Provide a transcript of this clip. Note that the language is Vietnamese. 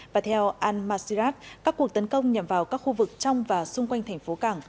và theo al masirat các cuộc tấn công nhằm vào các khu vực trong và xung quanh thành phố cảng